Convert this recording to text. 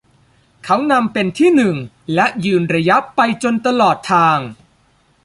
เขานำเป็นที่หนึ่งและยืนระยะไปจนตลอดทาง